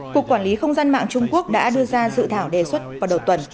cục quản lý không gian mạng trung quốc đã đưa ra dự thảo đề xuất vào đầu tuần